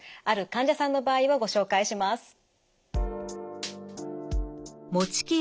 ある患者さんの場合をご紹介します。